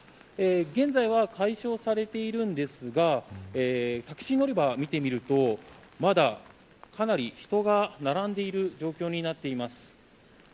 現在は解消されているんですがタクシー乗り場を見てみるとまだかなり人が並んでいる状況になっています。